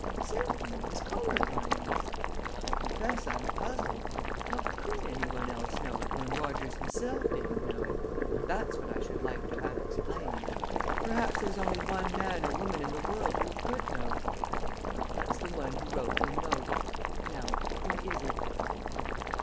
"Certainly his color blindness. I confess, I'm puzzled. How could anyone else know it when Rogers himself didn't know it? That's what I should like to have explained. Perhaps there's only one man or woman in the world who could know well, that's the one who wrote the note. Now, who is it?"